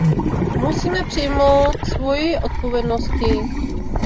Musíme přijmout svoji odpovědnosti.